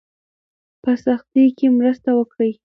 په سختۍ کې مرسته وکړئ.